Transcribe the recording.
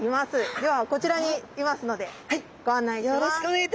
ではこちらにいますのでご案内します。